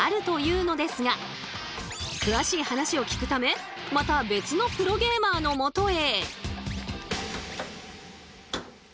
詳しい話を聞くためまた別のプロゲーマーのもとへ。